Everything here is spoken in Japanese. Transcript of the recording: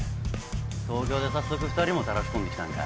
東京で早速２人もたらし込んできたんか。